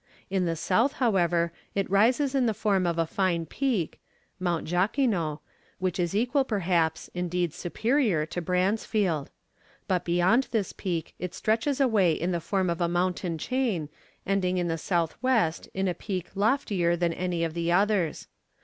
In the south, however, it rises in the form of a fine peak (Mount Jacquinot), which is equal perhaps, indeed superior, to Bransfield; but beyond this peak it stretches away in the form of a mountain chain, ending in the south west in a peak loftier than any of the others.